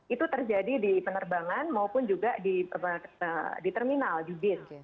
itu terjadi di penerbangan maupun juga di terminal di bin